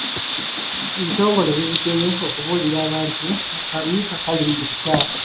Ebitongole bivuddeyo okubuulira abantu ku kabi akali mu bukyafu.